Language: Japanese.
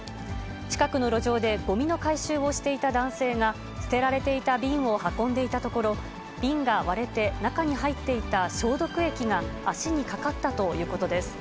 近くの路上でごみの回収をしていた男性が、捨てられていた瓶を運んでいたところ、瓶が割れて、中に入っていた消毒液が足にかかったということです。